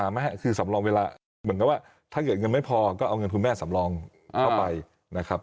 ไม่ครับคือสำรองเวลาเหมือนกันว่าถ้าเกิดเงินไม่พอก็เอาเงินคุณแม่สำรองเข้าไปนะครับ